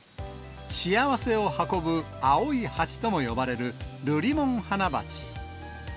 幸せを運ぶ青いハチとも呼ばれるルリモンハナバチ。